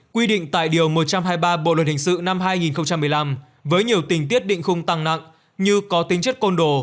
quy định tại điều một trăm hai mươi ba bộ luật hình sự năm hai nghìn một mươi năm với nhiều tình tiết định khung tăng nặng như có tính chất côn đồ